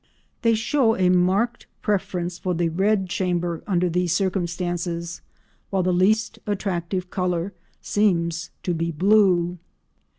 They show a marked preference for the red chamber under these circumstances while the least attractive colour seems to be blue.